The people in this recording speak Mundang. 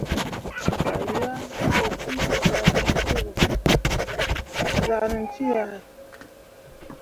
Mo gah yeah ne peljii pə zahʼnan cee ahe.